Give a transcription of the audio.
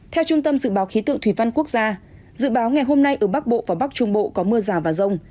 theo trung tâm dự báo khí tượng thủy văn quốc gia dự báo ngày hôm nay ở bắc bộ và bắc trung bộ có mưa rào và rông